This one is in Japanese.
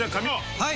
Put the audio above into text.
はい。